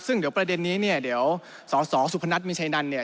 ซึ่งเดี๋ยวประเด็นนี้เนี่ยเดี๋ยวสสสุพนัทมีชัยนันเนี่ย